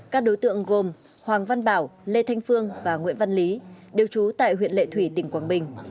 các đối tượng gồm hoàng văn bảo lê thanh phương và nguyễn văn lý đều trú tại huyện lệ thủy tỉnh quảng bình